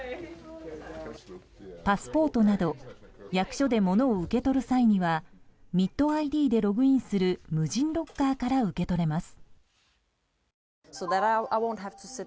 パスポートなど役所でものを受け取る際にはＭｉｔＩＤでログインする無人ロッカーから受け取れます。